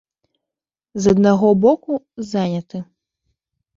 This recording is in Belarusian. З аднаго боку, заняты.